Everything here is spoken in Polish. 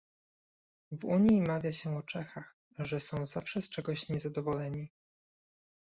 W Unii mawia się o Czechach, że są zawsze z czegoś niezadowoleni